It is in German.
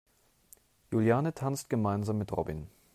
Juliane tanzt gemeinsam mit Robin.